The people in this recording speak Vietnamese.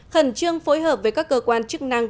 khẩn trương phối hợp với các cơ quan chức năng